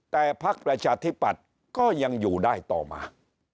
แต่พักประชาธิปัตย์ก็ยังอยู่ได้ต่อมา